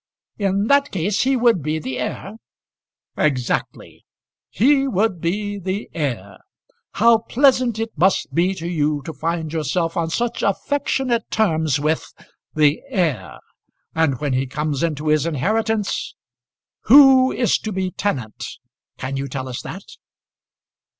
"In that case he would be the heir." "Exactly. He would be the heir. How pleasant it must be to you to find yourself on such affectionate terms with the heir! And when he comes into his inheritance, who is to be tenant? Can you tell us that?"